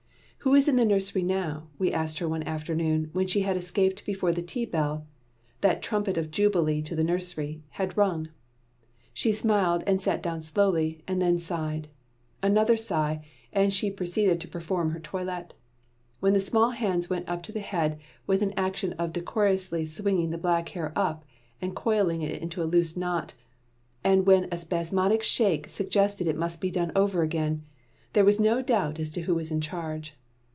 "Who is in the nursery now?" we asked her one afternoon when she had escaped before the tea bell, that trumpet of jubilee to the nursery, had rung. She smiled and sat down slowly, and then sighed. Another sigh, and she proceeded to perform her toilet. When the small hands went up to the head with an action of decorously swinging the back hair up and coiling it into a loose knot, and when a spasmodic shake suggested it must be done over again, there was no doubt as to who was in charge.